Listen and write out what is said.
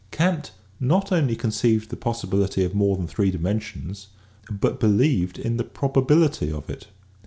Kant not only conceived the possibility of more than three dimensions but believed in the probability of it.